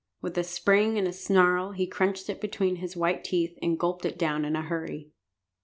With a spring and a snarl he crunched it between his white teeth and gulped it down in a hurry.